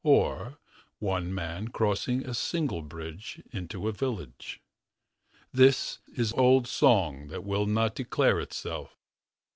Or one man Crossing a single bridge into a village. This is old song That will not declare itself